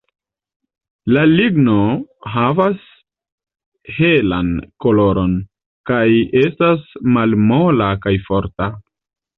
La ligno havas helan koloron, kaj estas malmola kaj forta.